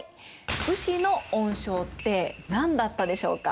武士の恩賞って何だったでしょうか？